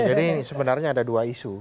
jadi sebenarnya ada dua isu